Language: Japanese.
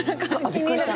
びっくりした！